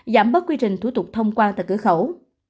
giảm bớt quy trình thủ tục thông quan tại cửa khẩu